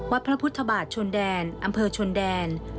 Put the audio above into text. พระพุทธบาทชนแดนอำเภอชนแดน